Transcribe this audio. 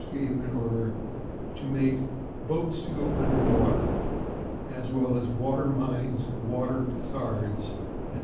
gave him an order to make "boates to go under water," as well as "water mines, water petards," &c.